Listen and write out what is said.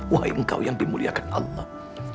wahai engkau yang dimuliakan allah